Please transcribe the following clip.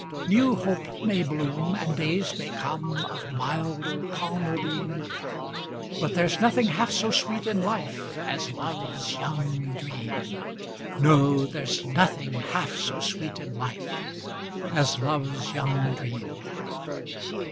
New hope may bloom, And days may come, Of milder, calmer beam, But there's nothing half so sweet in life As love's young dream; No, there's nothing half so sweet in life As love's young dream.